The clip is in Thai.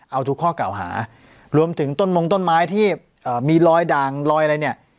เอาทุกข้อเก่าหารวมถึงต้นมงต้นไม้ที่มีรอยด่างรอยอะไรเนี่ย